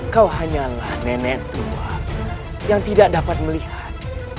kau hanyalah nenek tua yang tidak dapat melihat